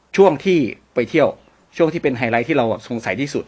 ช่วงที่ไปเที่ยวช่วงที่เป็นไฮไลท์ที่เราสงสัยที่สุด